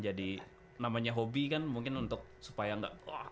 jadi namanya hobi kan mungkin untuk supaya gak